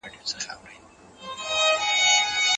ایا خصوصي سکتور نوي فابریکي جوړي کړي؟